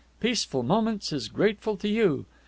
Peaceful Moments is grateful to you.